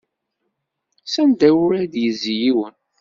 S anda ur ad yezzi yiwen.